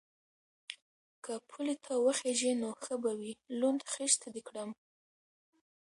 _که پولې ته وخېژې نو ښه به وي، لوند خيشت دې کړم.